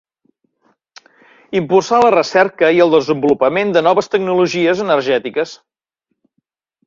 Impulsar la recerca i el desenvolupament de noves tecnologies energètiques.